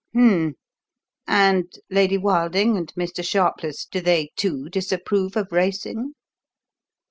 "Hum m m! And Lady Wilding and Mr. Sharpless do they, too, disapprove of racing?"